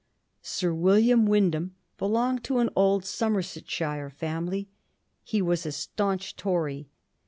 Sir William Wyndham be longed to an old Somersetshire family. He was a staimch Tory.